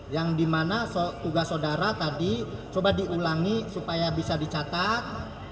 yang dimana tugas saudara tadi coba diulangi supaya bisa dicatat